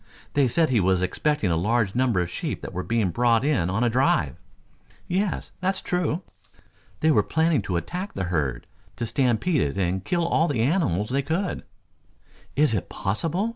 They said he was expecting a large number of sheep that were being brought in on a drive." "Yes, that is true." "They were planning to attack the herd, to stampede it and kill all the animals they could " "Is it possible?"